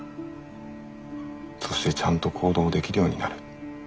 そしてちゃんと行動できるようになる。